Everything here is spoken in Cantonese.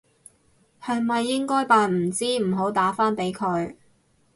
係咪應該扮唔知唔好打返俾佢？